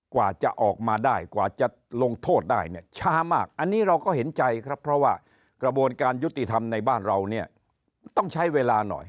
กว่าจะออกมาได้กว่าจะลงโทษได้เนี่ยช้ามากอันนี้เราก็เห็นใจครับเพราะว่ากระบวนการยุติธรรมในบ้านเราเนี่ยต้องใช้เวลาหน่อย